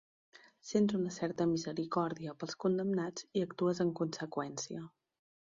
Sents una certa misericòrdia pels condemnats i actues en conseqüència.